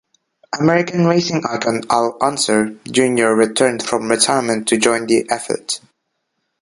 American racing icon Al Unser, Junior returned from retirement to join the effort.